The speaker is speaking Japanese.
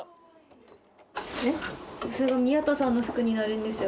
それが宮田さんの服になるんですよ。